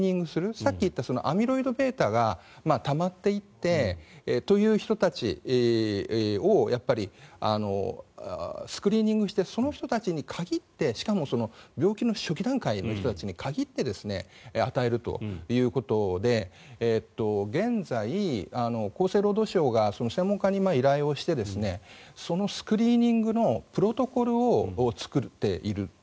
さっき言ったアミロイドβがたまっていってという人たちをスクリーニングしてその人たちに限ってしかも病気の初期段階の人たちに限って与えるということで現在、厚生労働省が専門家に依頼をしてそのスクリーニングのプロトコルを作っていると。